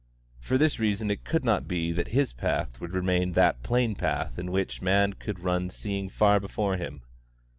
For this reason it could not be that his path would remain that plain path in which a man could run seeing far before him.